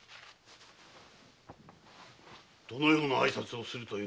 どのような挨拶をするというのだ？